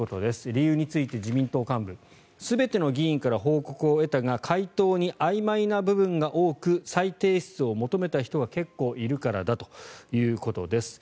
理由について、自民党幹部全ての議員から報告を得たが回答にあいまいな部分が多く再提出を求めた人が結構いるからだということです。